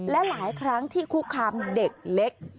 และหลายครั้งที่คุกคามเด็กเล็ก